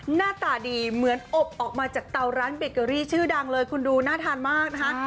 หน้าตาดีเหมือนอบออกมาจากเตาร้านเบเกอรี่ชื่อดังเลยคุณดูน่าทานมากนะคะ